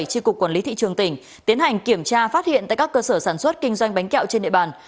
tri cục quản lý thị trường tỉnh tiến hành kiểm tra phát hiện tại các cơ sở sản xuất kinh doanh bánh kẹo trên địa bàn